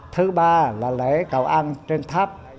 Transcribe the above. thứ ba là lễ cầu an trên tháp